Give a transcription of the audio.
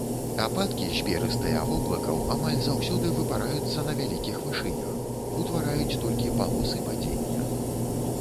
Ападкі з перыстыя воблакаў амаль заўсёды выпараюцца на вялікіх вышынях, утвараюць толькі палосы падзення.